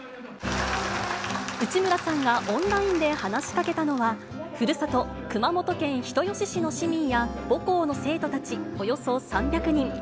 内村さんがオンラインで話しかけたのは、ふるさと、熊本県人吉市の市民や、母校の生徒たちおよそ３００人。